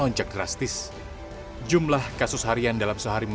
kisahnya waktu itu menembus lebih dari dua lima ratus kasus aktif